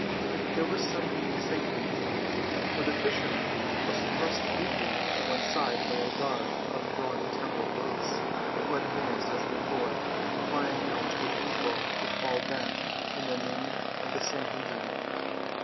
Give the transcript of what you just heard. There was some new excitement brewing, for the fisherman was thrust rudely to one side by a guard of brawny temple police, who advanced as before, crying out to the people to fall back in the name of the Sanhedrim.